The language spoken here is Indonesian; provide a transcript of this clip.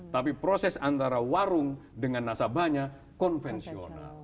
tapi proses antara warung dengan nasabahnya konvensional